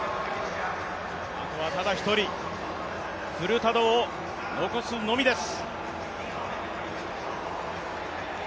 あとはただ１人、フルタドを残すのみです。